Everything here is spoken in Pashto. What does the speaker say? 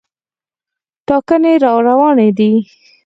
ټاکنې راروانې دي.